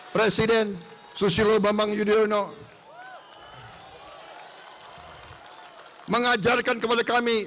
presiden susilo bambang yudhoyono mengajarkan kepada kami